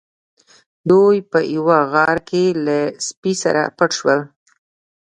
دوی په یوه غار کې له سپي سره پټ شول.